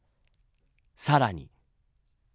さらに。